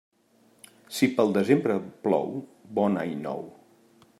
Si pel desembre plou, bon any nou.